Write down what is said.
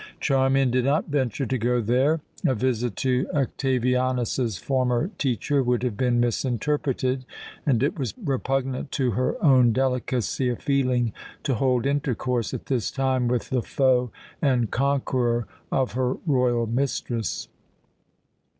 Charmian did not venture to go there; a visit to Octavianus's former teacher would have been misinterpreted, and it was repugnant to her own delicacy of feeling to hold intercourse at this time with the foe and conqueror of her royal mistress.